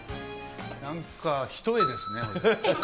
なんか一重ですね。